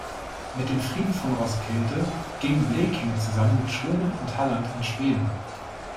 Mit dem Frieden von Roskilde ging Blekinge zusammen mit Schonen und Halland an Schweden.